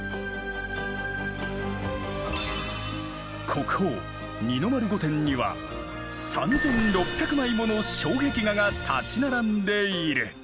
国宝二の丸御殿には３６００枚もの障壁画が立ち並んでいる。